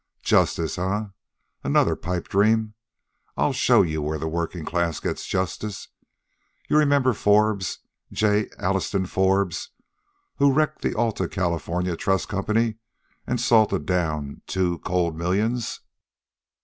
"Justice, eh? Another pipe dream. I'll show you where the working class gets justice. You remember Forbes J. Alliston Forbes wrecked the Alta California Trust Company an' salted down two cold millions.